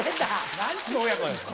何ちゅう親子ですか。